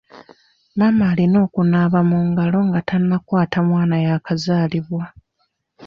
Maama alina okunaaba mu ngalo nga tannakwata mwana yakazaalibwa..